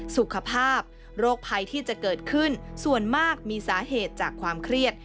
สุขภาพโรคภัยที่จะเกิดขึ้นส่วนมากมีสาเหตุจากความเครียด